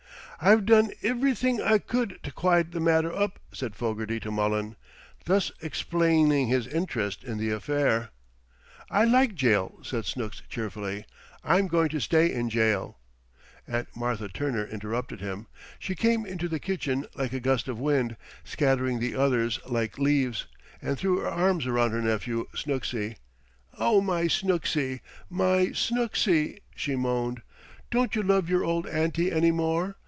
"I've done ivrything I cud t' quiet th' matter up," said Fogarty to Mullen, thus explaining his interest in the affair. "I like jail," said Snooks cheerfully. "I'm going to stay in jail." Aunt Martha Turner interrupted him. She came into the kitchen like a gust of wind, scattering the others like leaves, and threw her arms around her nephew Snooksy. "Oh, my Snooksy! My Snooksy!" she moaned. "Don't you love your old auntie any more?